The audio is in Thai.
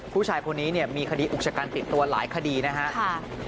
ผู้ชายพวกนี้เนี่ยมีคดีอุกษการปิดตัวหลายคดีนะฮะ